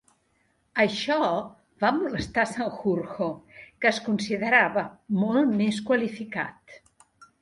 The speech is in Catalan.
Això va molestar Sanjurjo, que es considerava molt més qualificat.